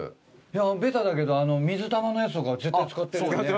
ベタだけどあの水玉のやつとか絶対使ってるよね。